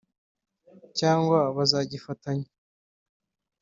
cyangwa bazagifatanya